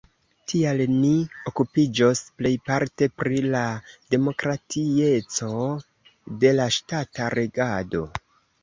Tial ni okupiĝos plejparte pri la demokratieco de la ŝtata regado.